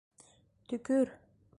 Төкөр!